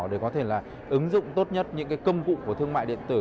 để có thể là ứng dụng tốt nhất những công cụ của thương mại điện tử